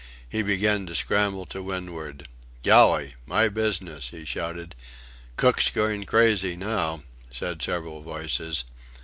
He began to scramble to windward. "Galley!... my business!" he shouted. "Cook's going crazy now," said several voices.